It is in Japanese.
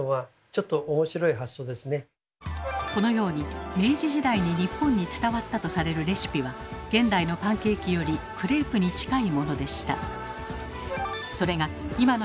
このように明治時代に日本に伝わったとされるレシピは現代のパンケーキよりクレープに近いものでした。